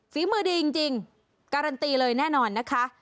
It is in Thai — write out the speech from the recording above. ฝีมือดีจริงการันตีเลยแน่นอนนะคะ